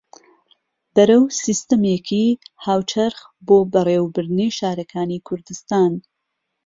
بەرەو سیستەمێکی هاوچەرخ بۆ بەڕێوەبردنی شارەکانی کوردستان